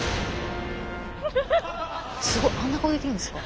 すごっあんな顔できるんですか？